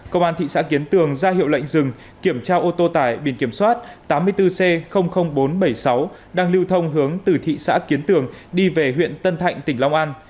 công an thị xã kiến tường ra hiệu lệnh dừng kiểm tra ô tô tải biển kiểm soát tám mươi bốn c bốn trăm bảy mươi sáu đang lưu thông hướng từ thị xã kiến tường đi về huyện tân thạnh tỉnh long an